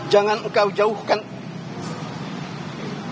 jangan engkau jauhkan